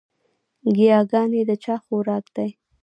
ګياګانې د چا خوراک دے؟